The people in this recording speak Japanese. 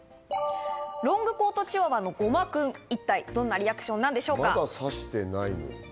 ロングコートチワワのごまくん、一体どんなリアクションなんでしょうか。